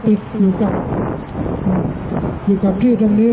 ที่เกี่ยวข้างหนึ่งที่เกี่ยวข้างหนึ่ง